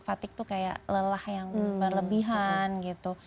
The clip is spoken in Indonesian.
fatigue tuh kayak lelah yang berlebihan gitu